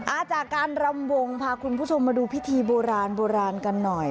อ่าจากการรำวงพาคุณผู้ชมมาดูพิธีโบราณโบราณกันหน่อย